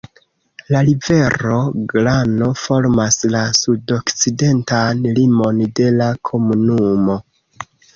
La rivero Glano formas la sudokcidentan limon de la komunumo.